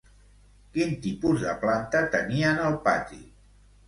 Quin tipus de planta tenien al pati?